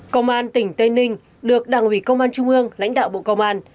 công an tỉnh tây ninh được đảng ủy công an trung ương lãnh đạo bộ công an